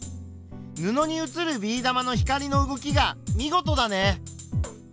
布に写るビー玉の光の動きが見事だね。